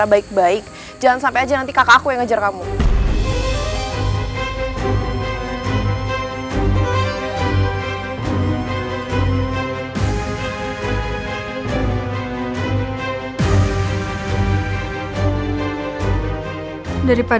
kebanyakan dirimu sampai aksan ngerived irritated